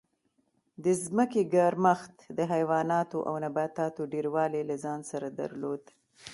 د ځمکې ګرمښت د حیواناتو او نباتاتو ډېروالی له ځان سره درلود